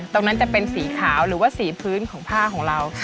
ตรงนั้นจะเป็นสีขาวหรือว่าสีพื้นของผ้าของเรา